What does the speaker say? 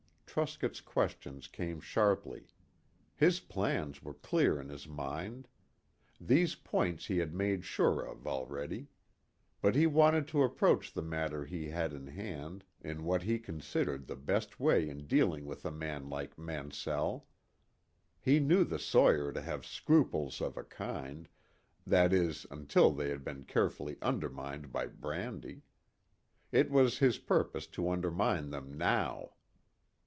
Truscott's questions came sharply. His plans were clear in his mind. These points he had made sure of already. But he wanted to approach the matter he had in hand in what he considered the best way in dealing with a man like Mansell. He knew the sawyer to have scruples of a kind, that is until they had been carefully undermined by brandy. It was his purpose to undermine them now.